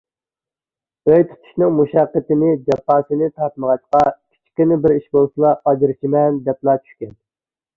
ئۆي تۇتۇشنىڭ مۇشەققىتىنى، جاپاسىنى تارتمىغاچقا، كىچىككىنە بىر ئىش بولسىلا «ئاجرىشىمەن» دەپلا چۈشكەن.